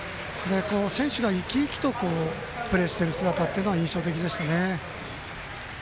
選手が生き生きとプレーしている姿というのは印象的でしたね。